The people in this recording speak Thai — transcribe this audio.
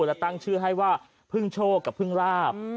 และตั้งชื่อให้ว่าพึ่งโชคกับพึ่งลาบ